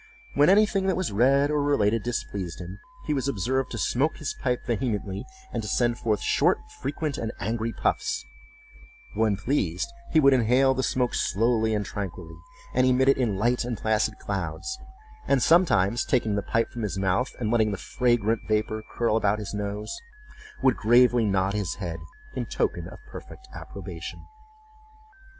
When anything that was read or related displeased him, he was observed to smoke his pipe vehemently, and to send forth short, frequent and angry puffs; but when pleased, he would inhale the smoke slowly and tranquilly, and emit it in light and placid clouds; and sometimes, taking the pipe from his mouth, and letting the fragrant vapor curl about his nose, would gravely nod his head in token of perfect approbation.